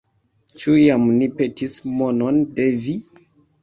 Ĉu iam ni petis monon de vi?